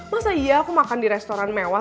masa iya aku makan di restoran mewah